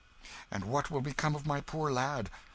And what will become of my poor lad!